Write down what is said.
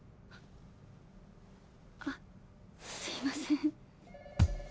あすいません。